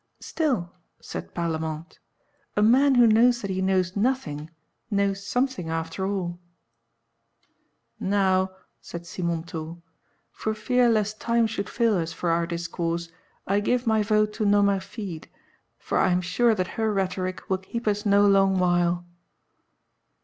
"Still," said Parlamente, "a man who knows that he knows nothing, knows something after all." "Now," said Simontault, "for fear lest time should fail us for our discourse, I give my vote to Nomerfide, for I am sure that her rhetoric will keep us no long while."